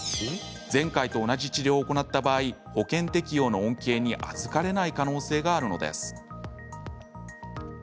前回と同じ治療を行った場合保険適用の恩恵にあずかれない可能性があるのです。